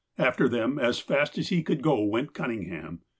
After them, as fast as he could go, went Cunningham.